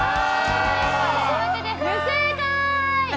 不正解！